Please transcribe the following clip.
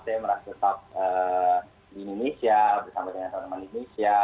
saya merasa tetap di indonesia bersama dengan teman teman indonesia